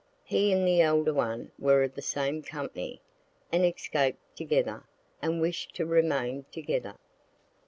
He and the elder one were of the same company, and escaped together and wish'd to remain together.